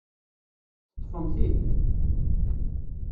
Teṭṭfem-t-id?